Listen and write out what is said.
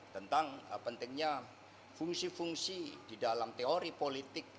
tentang pentingnya fungsi fungsi di dalam teori politik